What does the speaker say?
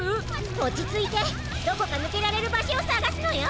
おちついてどこかぬけられるばしょをさがすのよ！